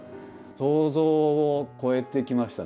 想像を超えてきましたね。